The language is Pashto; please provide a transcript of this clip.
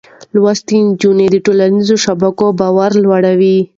لوستې نجونې د ټولنيزو شبکو باور لوړوي.